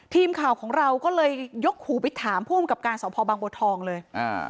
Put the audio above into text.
ทีมข่าวของเราก็เลยยกหูไปถามผู้อำกับการสอบพอบางบัวทองเลยอ่า